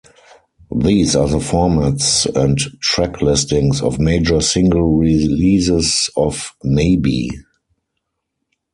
These are the formats and track listings of major single releases of "Maybe".